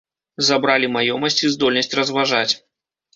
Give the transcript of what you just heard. Забралі маёмасць і здольнасць разважаць.